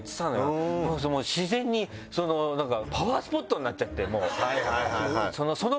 自然にパワースポットになっちゃってもう。